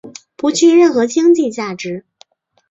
不具任何经济价值。